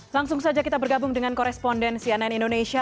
langsung saja kita bergabung dengan koresponden cnn indonesia